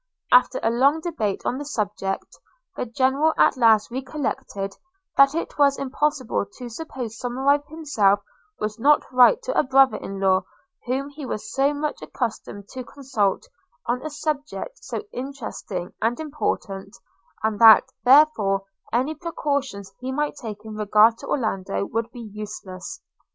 After a long debate on the subject, the General at last recollected that it was impossible to suppose Somerive himself would not write to a brother in law, whom he was so much accustomed to consult, on a subject so interesting and important; and that, therefore, any precautions he might take in regard to Orlando would be useless.